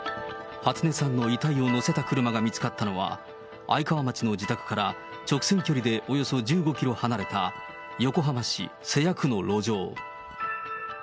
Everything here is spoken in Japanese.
初音さんの遺体を乗せた車が見つかったのは、愛川町の自宅から直線距離でおよそ１５キロ離れた、横浜市瀬谷区の路上。